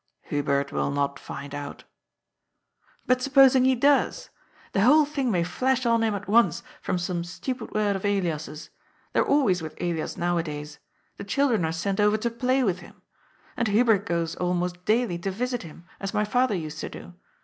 "" Hubert will not find out.'* " But supposing he does? The whole thing may flash on him at once from some stupid word of Elias's. They are always with Elias nowadays. The children are sent oyer to play with him. And Hubert goes almost daily to yisit him, as my father used to do.